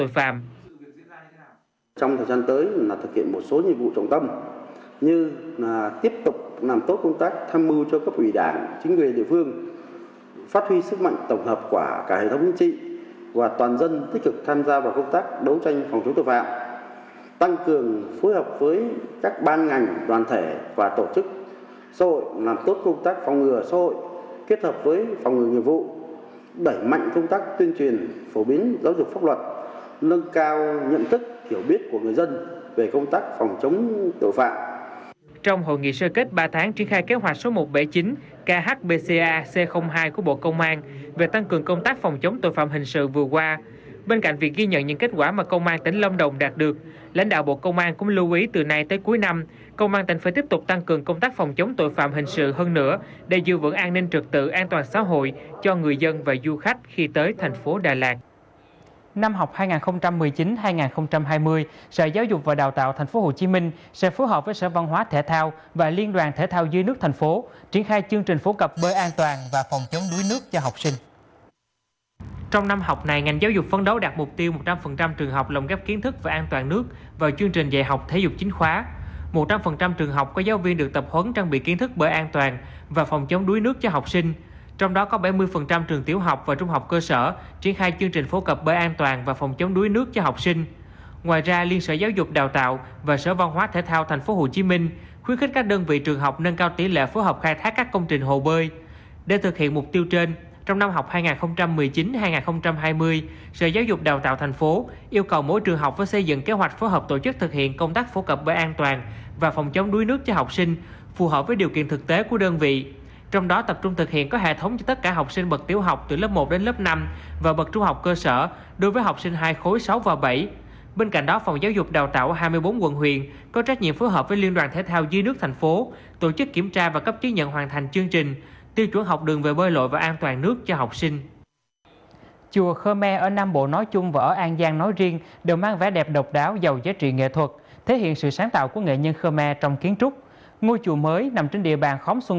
phát biểu chỉ đạo tại hội nghị sơ kết kế hoạch đợt tổng kiểm soát trung tướng nguyễn văn sơn thứ trưởng bộ công an yêu cầu lực lượng cảnh sát giao thông tập trung xử lý nghiêm hành vi sử dụng giấy phép lái xe giả lạng lách đánh võng các hành vi tụ tập gây dấu trật tực công cộng trên các tuyến giao thông đổi mới phương thức tuần tra kiểm soát có biện pháp bảo vệ đến sức khỏe tính mạng cho cán bộ chiến sĩ khi làm nhiệm vụ